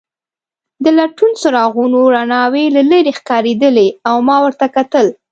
د لټون څراغونو رڼاوې له لیرې ښکارېدلې او ما ورته کتل.